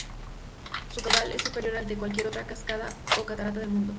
Su caudal es superior al de cualquier otra cascada o catarata del mundo.